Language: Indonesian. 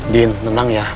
ddin tenang ya